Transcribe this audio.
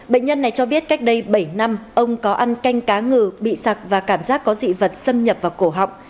bệnh nhân này cho biết cách đây bảy năm ông có ăn canh cá ngừ bị sạc và cảm giác có dị vật xâm nhập vào cổ họng